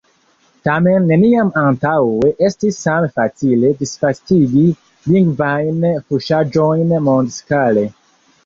Tamen, neniam antaŭe estis same facile disvastigi lingvajn fuŝaĵojn mondskale.